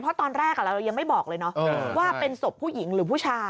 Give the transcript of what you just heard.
เพราะตอนแรกเรายังไม่บอกเลยเนาะว่าเป็นศพผู้หญิงหรือผู้ชาย